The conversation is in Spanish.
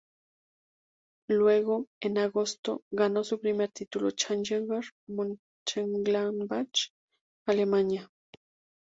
Luego, en agosto, ganó su primer título Challenger en Mönchengladbach, Alemania.